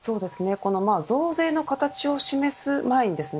この増税の形を示す前にですね